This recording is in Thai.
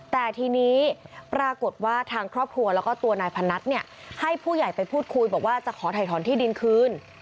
แต่ทีนี้ปรากฏว่าทางครอบครัวแล้วก็ตัวนายพนัทเนี่ยให้ผู้ใหญ่ไปพูดคุยบอกว่าจะขอถ่ายถอนที่ดินคืน